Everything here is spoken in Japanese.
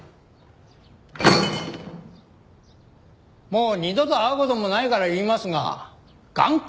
もう二度と会う事もないから言いますが頑固な男でしたねえ。